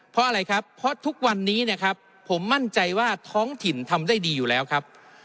เพราะอะไรครับเพราะทุกวันนี้นะครับผมมั่นใจว่าท้องถิ่นทำได้ดีอยู่แล้วครับ